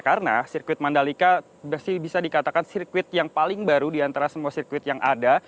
karena sirkuit mandalika masih bisa dikatakan sirkuit yang paling baru di antara semua sirkuit yang ada